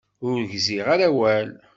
Ur gziɣ ara awal-a.